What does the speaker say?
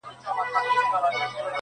له دې جهانه بېل وي.